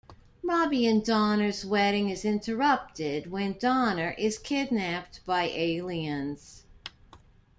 Robbie and Donner's wedding is interrupted when Donner is kidnapped by aliens.